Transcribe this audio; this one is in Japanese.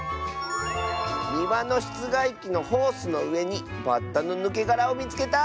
「にわのしつがいきのホースのうえにバッタのぬけがらをみつけた！」。